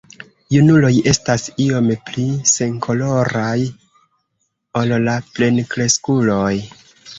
Junuloj estas iom pli senkoloraj ol la plenkreskuloj.